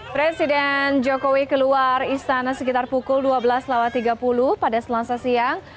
presiden jokowi keluar istana sekitar pukul dua belas tiga puluh pada selasa siang